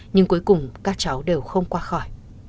nhưng cuối cùng các cháu đều không qua khỏi